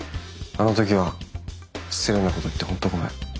あの時は失礼なこと言って本当ごめん。